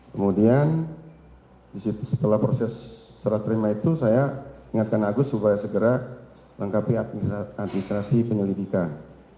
kemudian di situ setelah proses seraterima itu saya ingatkan agus supaya segera lengkapi administrasi penyelidikan